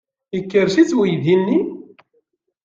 Ikerrec-itt uydi-nni.